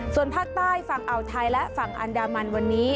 ส่วนภาคใต้ฝั่งอ่าวไทยและฝั่งอันดามันวันนี้